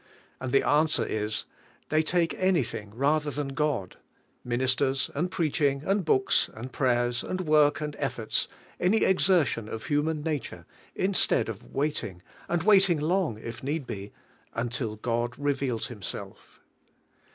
And the answer is: They take anything rather than God, — minis ters, and preaching, and books, and prayers, and work, and efforts, any exertion of human nature, instead of waiting, and waiting long if need be, until God reveals Himself.